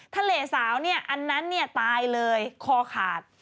ทะเลสาวเนี่ยอันนั้นเนี่ยตายเลยคอขาด